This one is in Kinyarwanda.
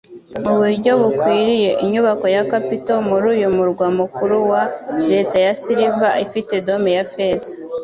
Mu buryo bukwiriye, inyubako ya capitol muri uyu murwa mukuru wa "Leta ya silver" ifite dome ya feza